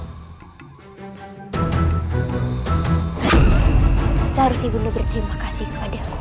ketika seharusnya ibu berterima kasih kepada aku